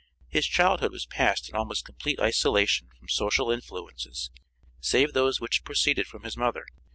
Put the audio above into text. His childhood was passed in almost complete isolation from social influences, save those which proceeded from his mother.